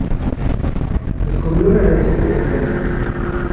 Descubrió la herencia de los plastos.